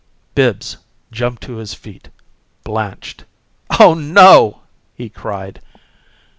Bibbs jumped to his feet, blanched. "Oh no!" he cried.